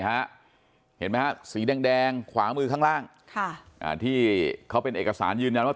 เห็นไหมฮะสีแดงขวามือข้างล่างที่เขาเป็นเอกสารยืนยันว่า